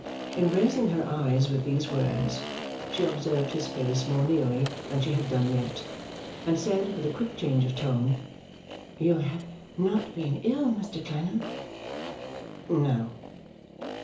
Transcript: In raising her eyes with these words, she observed his face more nearly than she had done yet, and said, with a quick change of tone, 'You have not been ill, Mr Clennam?' 'No.